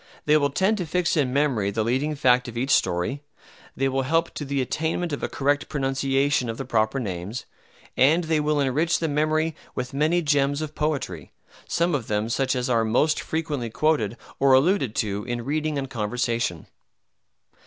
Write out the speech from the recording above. They will tend to fix in memory the leading fact of each story, they will help to the attainment of a correct pronunciation of the proper names, and they will enrich the memory with many gems of poetry, some of them such as are most frequently quoted or alluded to in reading and conversation.